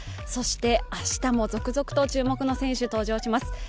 そして明日も続々と注目の選手、登場します。